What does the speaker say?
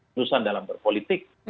lulusan dalam berpolitik